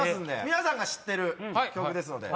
皆さんが知ってる曲ですので。